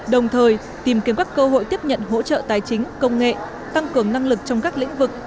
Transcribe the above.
đồng thời tìm kiếm các cơ hội tiếp nhận hỗ trợ tài chính công nghệ tăng cường năng lực trong các lĩnh vực